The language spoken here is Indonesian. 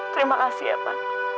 terima kasih ya pa